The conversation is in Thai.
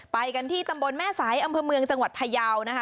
ไปกันที่ตำบลแม่สายอำเภอเมืองจังหวัดพยาวนะคะ